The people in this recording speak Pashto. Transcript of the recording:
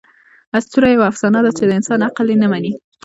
آسطوره یوه افسانه ده، چي د انسان عقل ئې نه مني.